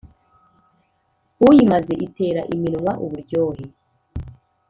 Uyimaze itera iminwa uburyohe